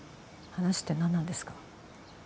話って何なんですか？